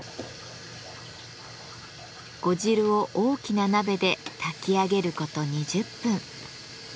呉汁を大きな鍋で炊き上げること２０分。